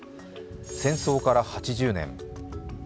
戦争から８０年。